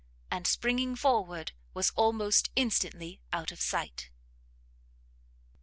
and springing forward, was almost instantly out of sight.